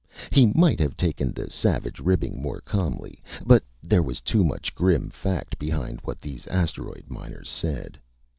He might have taken the savage ribbing more calmly. But there was too much grim fact behind what these asteroid miners said.